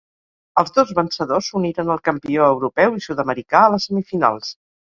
Els dos vencedors s'uniren al campió europeu i sud-americà a les semifinals.